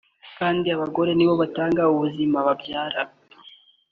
kandi abagore nibo batanga ubuzima (babyara)